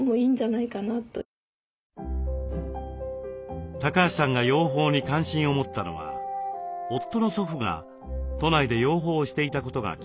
でも今やってみると橋さんが養蜂に関心を持ったのは夫の祖父が都内で養蜂をしていたことがきっかけでした。